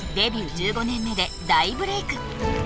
１５年目で大ブレイク！